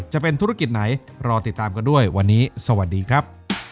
จะเป็นธุรกิจไหนรอติดตามกันด้วยวันนี้สวัสดีครับ